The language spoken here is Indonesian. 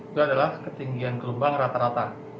itu adalah ketinggian gelombang rata rata